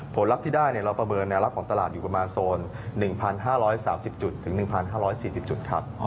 ลับที่ได้เราประเมินแนวรับของตลาดอยู่ประมาณโซน๑๕๓๐จุดถึง๑๕๔๐จุดครับ